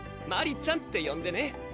マリちゃんってよんでね